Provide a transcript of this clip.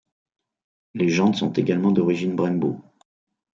Les jantes sont également d'origine Brembo.